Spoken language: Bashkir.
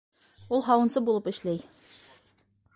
Ул һауынсы булып эшләй.